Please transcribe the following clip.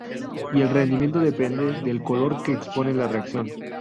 Y el rendimiento depende del calor que expone la reacción.